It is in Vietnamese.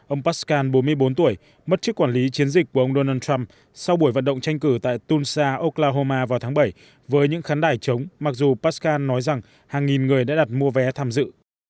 ông parscale bốn mươi bốn tuổi mất trước quản lý chiến dịch của ông donald trump sau buổi vận động tranh cử tại tunsha oklahoma vào tháng bảy với những khán đải chống mặc dù parscale nói rằng hàng nghìn người đã đặt mua vé tham dự